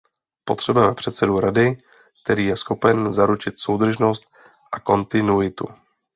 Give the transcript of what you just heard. Potřebujeme předsedu Rady, který je schopen zaručit soudržnost a kontinuitu.